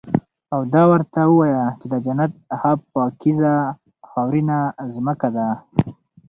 او دا ورته ووايه چې د جنت ښه پاکيزه خاورينه زمکه ده